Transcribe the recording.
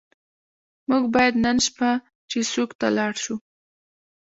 موږ باید نن شپه چیسوک ته لاړ شو.